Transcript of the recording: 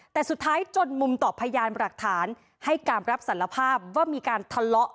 แต่สุดท้ายจนมุมต่อพยานหลักฐานให้การรับสารภาพว่ามีการทะเลาะ